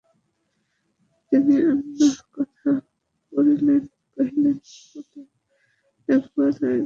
তৎক্ষণাৎ তিনি অন্য কথা পাড়িলেন, কহিলেন, প্রতাপ, একবার রায়গড়ে চলো।